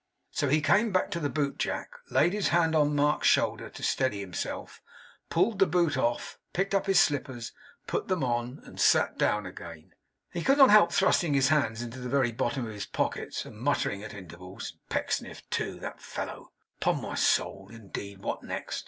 So he came back to the book jack, laid his hand on Mark's shoulder to steady himself, pulled the boot off, picked up his slippers, put them on, and sat down again. He could not help thrusting his hands to the very bottom of his pockets, and muttering at intervals, 'Pecksniff too! That fellow! Upon my soul! In deed! What next?